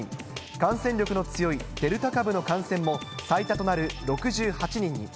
感染力の強いデルタ株の感染も最多となる６８人に。